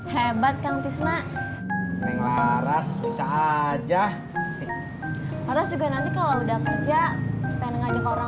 hebat kang tisna pengen laras bisa aja terus juga nanti kalau udah kerja pengen ngajak orang